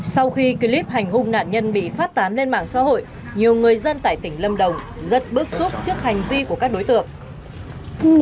sau khi clip hành hung nạn nhân bị phát tán lên mạng xã hội nhiều người dân tại tỉnh lâm đồng rất bức xúc trước hành vi của các đối tượng